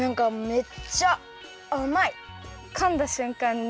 めっちゃあまい！